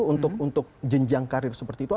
untuk jenjang karir seperti itu